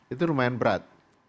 itu lumayan berat